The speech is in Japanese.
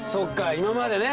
今までね。